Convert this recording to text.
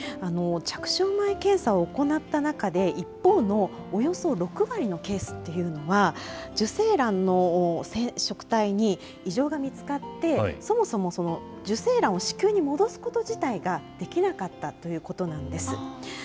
着床前検査を行った中で、一方のおよそ６割のケースというのは、受精卵の染色体に異常が見つかって、そもそも受精卵を子宮に戻すこと自体ができなかったということなんです。